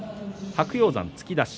白鷹山、突き出し。